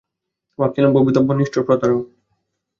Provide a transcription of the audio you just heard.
ভাবছিলাম, ভবিতব্য নিষ্ঠুর, প্রতারক।